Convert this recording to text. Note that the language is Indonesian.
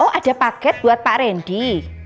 oh ada paket buat pak randy